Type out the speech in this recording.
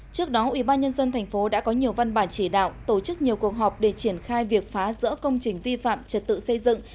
trước đó ủy ban nhân dân tp đã có nhiều văn bản chỉ đạo tổ chức nhiều cuộc họp để triển khai việc phá rỡ công trình vi phạm trật tự xây dựng